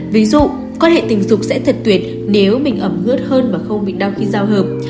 ví dụ quan hệ tình dục sẽ thật tuyệt nếu mình ẩm ướt hơn và không bị đau khi giao hợp